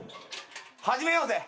始めようぜ。